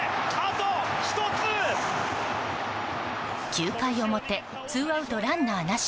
９回表ツーアウト、ランナーなし。